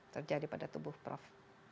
terjadi pada tubuh prof